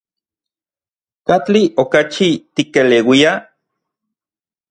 ¿Katli okachi tikeleuia?